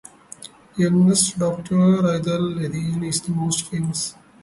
youngest daughter, Ethel Lilian, is the most famous.